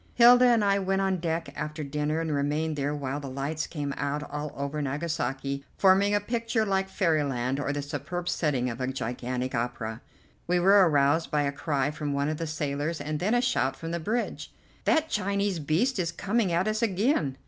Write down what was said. Hilda and I went on deck after dinner and remained there while the lights came out all over Nagasaki, forming a picture like fairyland or the superb setting of a gigantic opera. We were aroused by a cry from one of the sailors, and then a shout from the bridge. "That Chinese beast is coming at us again!"